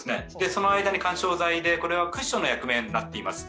その間に緩衝材で、これはクッションの役目を果たしています。